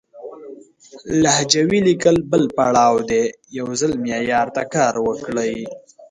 لهجوي ليکل بل پړاو دی، يو ځل معيار ته کار وکړئ!